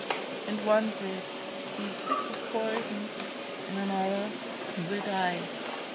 And one said, 'He is sick Of poison'; and another, 'He will die.'